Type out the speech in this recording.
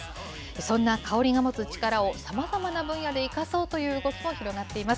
そんな香りが持つ力をさまざまな分野で生かそうという動きも広がっています。